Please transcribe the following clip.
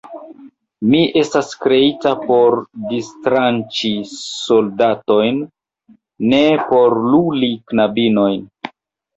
Mi estas kreita por distranĉi soldatojn, ne por luli knabinojn.